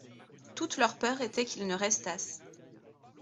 Toute leur peur était qu'ils ne restassent.